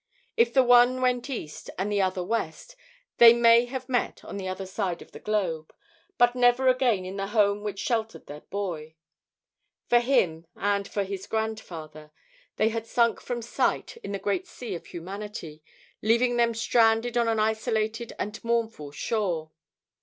If the one went east and the other west, they may have met on the other side of the globe, but never again in the home which sheltered their boy. For him and for his grandfather they had sunk from sight in the great sea of humanity, leaving them stranded on an isolated and mournful shore.